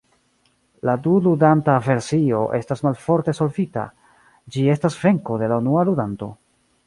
La du-ludanta versio estas malforte solvita; ĝi estas venko de la unua ludanto.